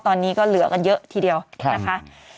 ตอนนี้ก็เหลือกันเยอะทีเดียวนะคะ